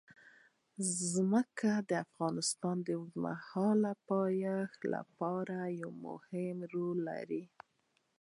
ځمکه د افغانستان د اوږدمهاله پایښت لپاره یو مهم رول لري.